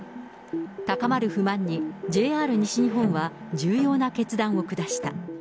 高まる不満にＪＲ西日本は重要な決断を下した。